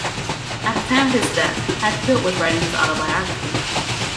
At the time of his death, Hatfield was writing his autobiography.